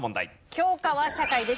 教科は社会です。